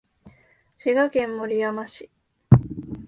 滋賀県守山市